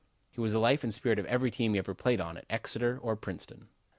He was the life and spirit of every team he ever played on at Exeter or Princeton."